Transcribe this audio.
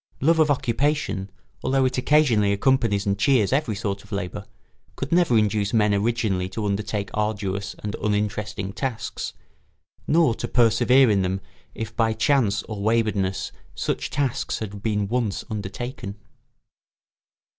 Love of occupation, although it occasionally accompanies and cheers every sort of labour, could never induce men originally to undertake arduous and uninteresting tasks, nor to persevere in them if by chance or waywardness such tasks had been once undertaken.